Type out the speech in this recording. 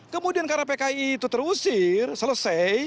kemudian karena pki itu terusir selesai